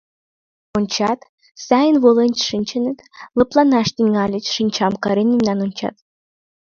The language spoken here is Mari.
Ончат — сайын волен шинчыныт, лыпланаш тӱҥальыч, шинчам карен мемнам ончат.